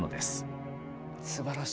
すばらしい。